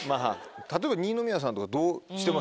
例えば二宮さんとかどうしてます？